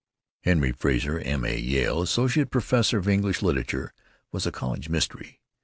Henry Frazer, M.A. (Yale), associate professor of English literature, was a college mystery.